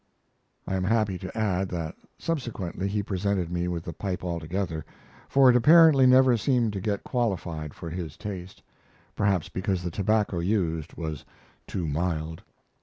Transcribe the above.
I am happy to add that subsequently he presented me with the pipe altogether, for it apparently never seemed to get qualified for his taste, perhaps because the tobacco used was too mild.